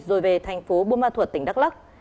rồi về thành phố buôn ma thuật tỉnh đắk lắc